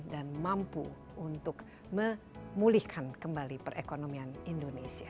dan mampu untuk memulihkan kembali perekonomian indonesia